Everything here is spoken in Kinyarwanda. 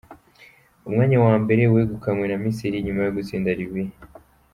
Umwanya wa mbere wegukanwe na Misiri nyuma yo gutsinda Libiya.